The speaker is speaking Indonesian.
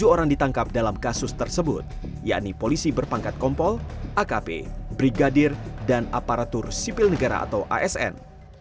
tujuh orang ditangkap dalam kasus tersebut yakni polisi berpangkat kompol akp brigadir dan aparatur sipil negara atau asn